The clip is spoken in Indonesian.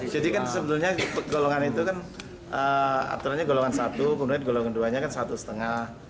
jadi kan sebelumnya golongan itu kan aturannya golongan satu kemudian golongan duanya kan satu setengah